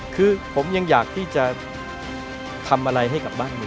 คือผมยังอยากที่จะทำอะไรให้กับบ้านเมือง